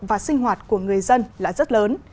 và sinh hoạt của người dân là rất lớn